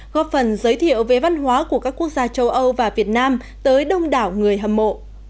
góp phần giới thiệu về văn hóa của các quốc gia châu âu và việt nam tới đông đảo người hâm mộ